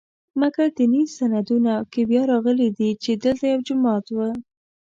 مګر دیني سندونو کې بیا راغلي چې دلته یو جومات و.